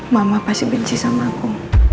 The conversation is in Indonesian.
mama pasti benci sama aku